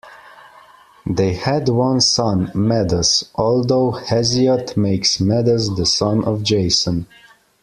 They had one son, Medus, although Hesiod makes Medus the son of Jason.